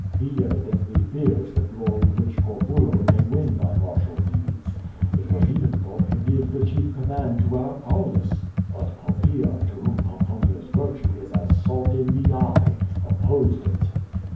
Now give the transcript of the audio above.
He evidently fears the glory which Corbulo may win by martial deeds. It was even thought to give the chief command to our Aulus, but Poppaea, to whom Pomponia's virtue is as salt in the eye, opposed it.